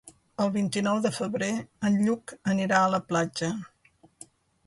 El vint-i-nou de febrer en Lluc anirà a la platja.